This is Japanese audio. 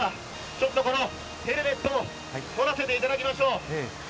ヘルメットをとらせていただきましょう。